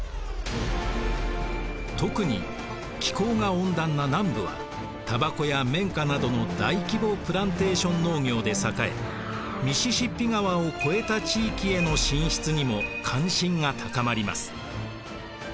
特に気候が温暖な南部はタバコや綿花などの大規模プランテーション農業で栄えミシシッピ川を越えた地域への進出にも関心が高まります。